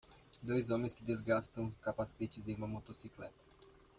Dois homens que desgastam capacetes em uma motocicleta.